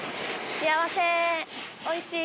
幸せーおいしいー。